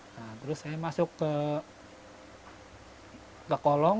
nah terus saya masuk ke kolong